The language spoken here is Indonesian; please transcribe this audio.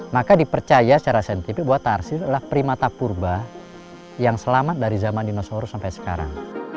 maka dipercaya secara saintifik bahwa tarsir adalah primata purba yang selamat dari zaman dinosaurus sampai sekarang